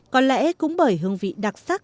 có lẽ cũng bởi hương vị đặc sắc